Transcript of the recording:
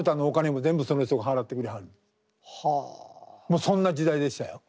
もうそんな時代でしたよ。